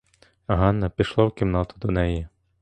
Ганна пішла в кімнату до неї.